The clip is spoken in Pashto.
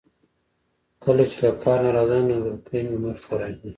کله چې له کار نه راځم نو لورکۍ مې مخې ته راځی.